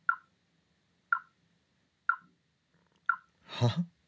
「はっ？